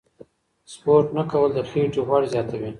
سپورت نه کول د خېټې غوړ زیاتوي.